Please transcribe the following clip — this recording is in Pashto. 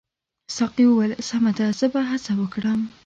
ساقي وویل سمه ده زه به هڅه وکړم.